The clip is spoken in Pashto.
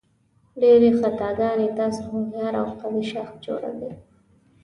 ډېرې خطاګانې تاسو هوښیار او قوي شخص جوړوي.